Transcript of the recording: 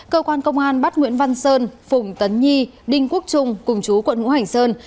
cơ quan công an bắt nguyễn văn sơn phùng tấn nhi đinh quốc trung cùng chú quận ngũ hành sơn